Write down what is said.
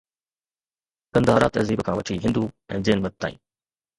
گنڌارا تهذيب کان وٺي هندو ۽ جين مت تائين